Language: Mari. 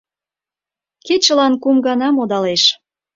Кечылан кум гана модалеш.